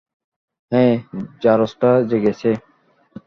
হেই, জারজটা জেগেছে।